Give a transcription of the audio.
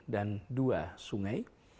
dan dua sungai